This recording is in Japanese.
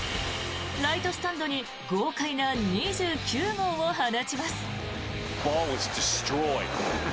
ライトスタンドに豪快な２９号を放ちます。